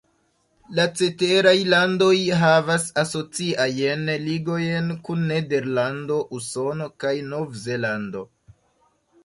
La ceteraj landoj havas asociajn ligojn kun Nederlando, Usono kaj Nov-Zelando.